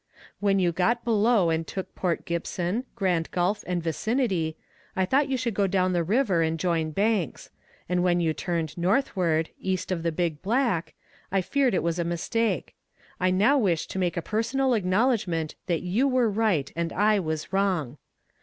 When you got below and took Port Gipson, Grand Gulf and vicinity, I thought you should go down the river and join Banks; and when you turned northward, east of the Big Black, I feared it was a mistake. I now wish to make a personal acknowledgment that you were right and I was wrong.